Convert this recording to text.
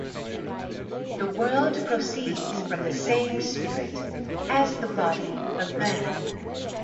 The world proceeds from the same spirit as the body of man.